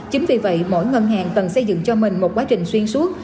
chính vì vậy mỗi ngân hàng cần xây dựng cho mình một quá trình xuyên suốt